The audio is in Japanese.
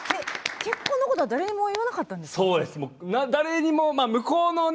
結婚のことは誰も言わなかったんですね。